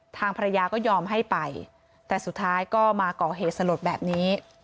ทางภรรยาก็ยอมให้ไปแต่สุดท้ายก็มาก่อเหตุสลดแบบนี้